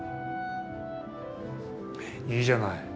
いいじゃない？